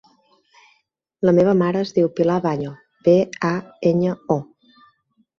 La meva mare es diu Pilar Baño: be, a, enya, o.